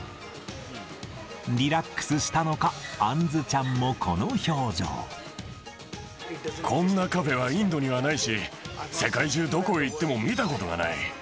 リラックスしたのか、こんなカフェはインドにはないし、世界中どこへ行っても見たことがない。